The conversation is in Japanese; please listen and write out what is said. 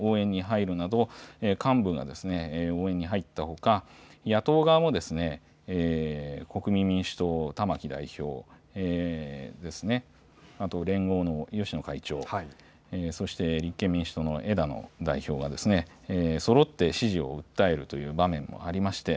静岡で岸田総理が２回応援に入るなど幹部が応援に入ったほか野党側も国民民主党の玉木代表、また連合の芳野会長、そして立憲民主党の枝野代表がそろって支持を訴えるという場面もありました。